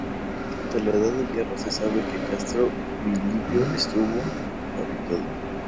De la edad de hierro se sabe que Castro Bilibio estuvo habitado.